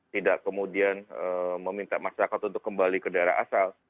tidak kemudian meminta masyarakat untuk kembali ke daerah asal